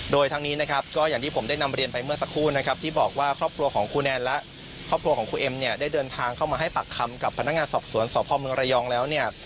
โดยทั้งนี้นะครับก็อย่างที่ผมได้นำเรียนไปเมื่อสักครู่นะครับที่บอกว่าครอบครัวของครูแนนและครอบครัวของครูเอ็มเนี่ยได้เดินทางเข้ามาให้ปากคำกับพนักงานสอบสวนสพเมืองระยองแล้วเนี่ย